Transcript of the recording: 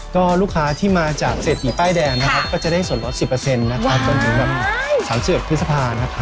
ก็ลูกค้าที่มาจากเศรษฐีป้ายแดงนะครับก็จะได้ส่วนลด๑๐นะครับจนถึง๓๑พฤษภานะครับ